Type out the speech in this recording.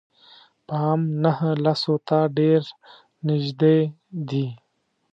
پام نهه لسو ته ډېر نژدې دي.